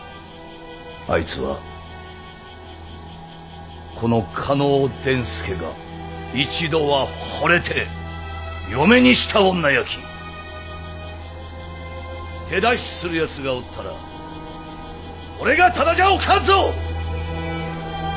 あいつはこの嘉納伝助が一度はほれて嫁にした女やき手出しするやつがおったら俺がただじゃおかんぞ！